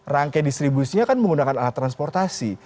rangkai distribusinya kan menggunakan alat transportasi